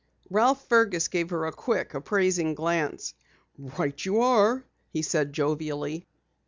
Ralph Fergus gave her a quick, appraising glance. "Right you are," he said jovially.